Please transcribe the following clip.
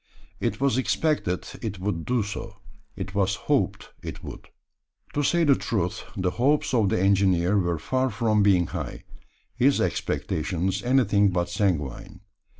It was expected it would do so it was hoped it would. To say the truth, the hopes of the engineer were far from being high his expectations anything but sanguine.